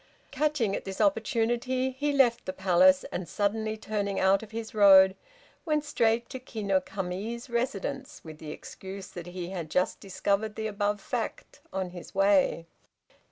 Catching at this opportunity he left the Palace, and suddenly turning out of his road, went straight to Ki no Kami's residence, with the excuse that he had just discovered the above fact on his way.